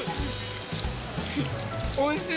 おいしい。